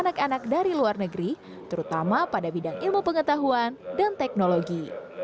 anak anak dari luar negeri terutama pada bidang ilmu pengetahuan dan teknologi